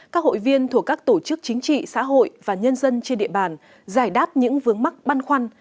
các hội viên thuộc các tổ chức chính trị xã hội và nhân dân trên địa bàn giải đáp những vướng mắc băn khoăn